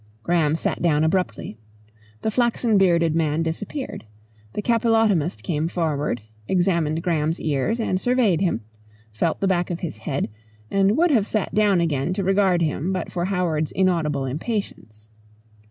Graham sat down abruptly. The flaxen bearded man disappeared. The capillotomist came forward, examined Graham's ears and surveyed him, felt the back of his head, and would have sat down again to regard him but for Howard's audible impatience.